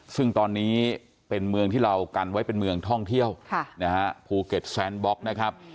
ซึ่งตอนนี้เป็นเมืองที่เรากันไว้เป็นเมืองท่องเที่ยวภูเก็ตแซนบล็อกนะครับ